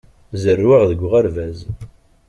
Zerrweɣ deg uɣerbaz.